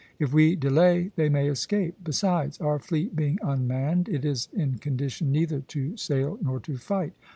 If we delay, they may escape.... Besides, our fleet being unmanned, it is in condition neither to sail nor to fight.